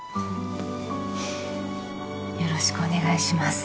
よろしくお願いします